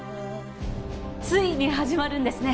ついに始まるんですね